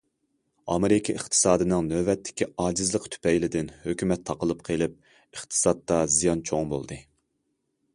ئامېرىكا ئىقتىسادىنىڭ نۆۋەتتىكى ئاجىزلىقى تۈپەيلىدىن، ھۆكۈمەت تاقىلىپ قېلىپ ئىقتىسادتا زىيان چوڭ بولدى.